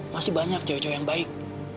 masih banyak cewek cewek yang baik